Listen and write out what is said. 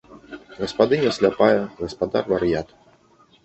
Гаспадыня сляпая, гаспадар вар'ят.